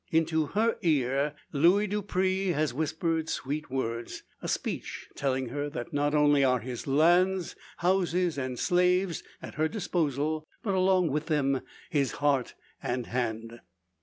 Into her ear Luis Dupre has whispered sweet words a speech telling her, that not only are his lands, houses, and slaves at her disposal, but along with them his heart and hand.